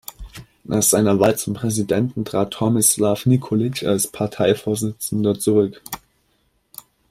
Nach seiner Wahl zum Präsidenten trat Tomislav Nikolić als Parteivorsitzender zurück.